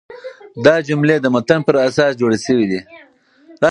دا جملې د متن پر اساس جوړي سوي دي.